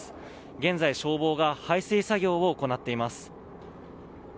現在、消防が排水作業を行っています。